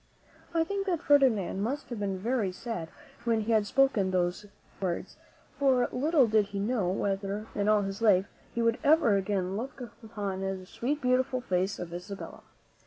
I think that Ferdinand must have been very sad when he had spoken these words; for little did he know whether, in all his life, he would ever again look upon the sweet, beautiful face of Isabella.